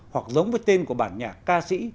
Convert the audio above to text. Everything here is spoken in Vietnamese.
hoặc giống với tên của bản nhạc ca sĩ